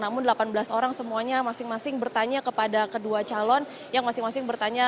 namun delapan belas orang semuanya masing masing bertanya kepada kedua calon yang masing masing bertanya